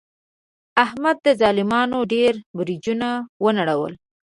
احمد د ظالمانو ډېر برجونه و نړول.